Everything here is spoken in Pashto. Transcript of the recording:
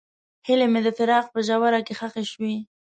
هیلې مې د فراق په ژوره کې ښخې شوې.